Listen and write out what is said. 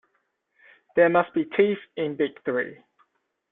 There must be teeth in Big Three.